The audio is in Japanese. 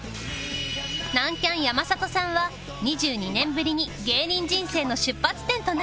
南キャン山里さんは２２年ぶりに芸人人生の出発点となったお店へ